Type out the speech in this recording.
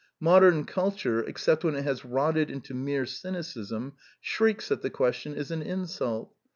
Modern culture, except when it has rotted into mere cynicism, shrieks that the question is an insult.